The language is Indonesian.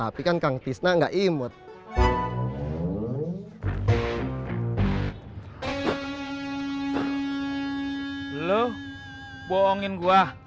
ampun bang kirain abang kuat